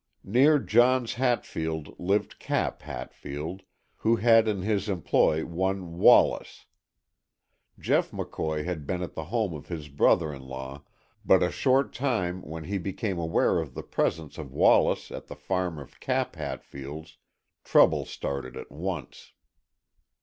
Near Johns Hatfield lived Cap Hatfield, who had in his employ one Wallace. Jeff McCoy had been at the home of his brother in law but a short time when he became aware of the presence of Wallace at the farm of Cap Hatfield's. Trouble started at once.